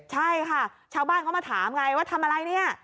ใช่ค่ะชาวบ้านเขามาถามไงว่าทำอะไรเนี่ย